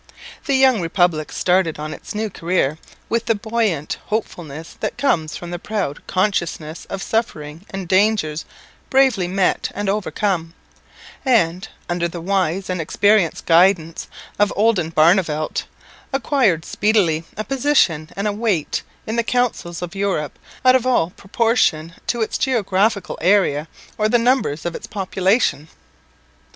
The young republic started on its new career with the buoyant hopefulness that comes from the proud consciousness of suffering and dangers bravely met and overcome, and, under the wise and experienced guidance of Oldenbarneveldt, acquired speedily a position and a weight in the Councils of Europe out of all proportion to its geographical area or the numbers of its population.